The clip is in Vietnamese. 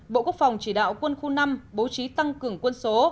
bộ quốc phòng chỉ đạo quân khu năm bố trí tăng cường quân số